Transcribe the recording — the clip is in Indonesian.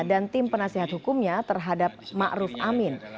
dan tim penasihat hukumnya terhadap ma'ruf amin